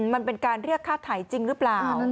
มันเป็นการเรียกค่าไถ่จริงหรือเปล่า